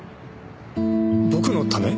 僕のため？